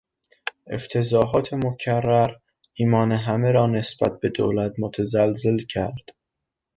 افتضاحات مکرر ایمان همه را نسبت به دولت متزلزل کرد.